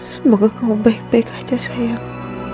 semoga kamu baik baik aja sayang